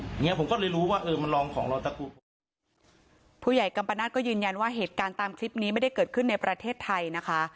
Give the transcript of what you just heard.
อย่างเงี้ผมก็เลยรู้ว่าเออมันลองของเราตะกูผู้ใหญ่กัมปนาศก็ยืนยันว่าเหตุการณ์ตามคลิปนี้ไม่ได้เกิดขึ้นในประเทศไทยนะคะ